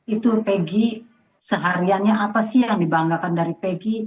itu peggy sehariannya apa sih yang dibanggakan dari peggy